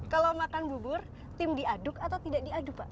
kalau makan bubur tim diaduk atau tidak diaduk pak